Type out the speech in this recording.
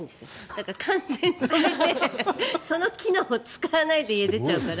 だから、完全に止めてその機能を使わないで家を出ちゃうから。